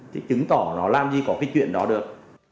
thì chứng tỏ nó làm gì có cái chuyện đó được